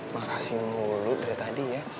makasih mulu dari tadi ya